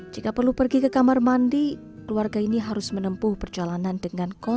jika perlu pergi ke kamar mandi keluarga ini harus menempuh berjalanan